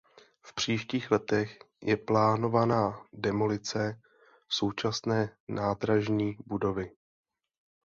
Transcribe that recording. V příštích letech je plánována demolice současné nádražní budovy.